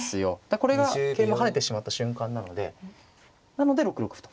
これが桂馬跳ねてしまった瞬間なのでなので６六歩と。